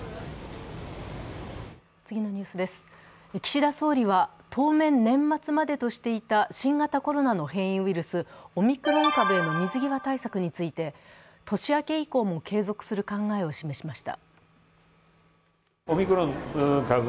岸田総理は当面年末までとしていた新型コロナの変異ウイルス、オミクロン株への水際対策について年明け以降も継続する考えを示しました。